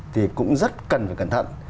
thì cũng rất cần phải cẩn thận